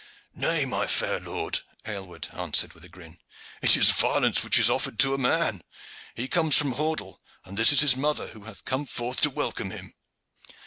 "Nay, my fair lord," Aylward answered with a grin, "it is violence which is offered to a man. He comes from Hordle, and this is his mother who hath come forth to welcome him."